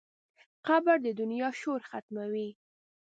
قبر د دنیا شور ختموي.